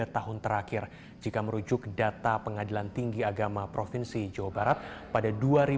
tiga tahun terakhir jika merujuk data pengadilan tinggi agama provinsi jawa barat pada dua ribu dua puluh